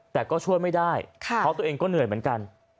แต่ก็ช่วยไม่ได้เพราะตัวเองก็เหนื่อยเหมือนกัน